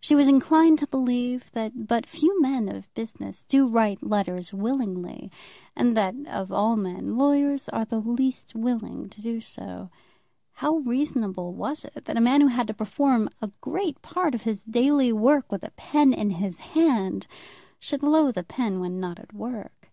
She was inclined to believe that but few men of business do write letters willingly, and that, of all men, lawyers are the least willing to do so. How reasonable it was that a man who had to perform a great part of his daily work with a pen in his hand, should loathe a pen when not at work.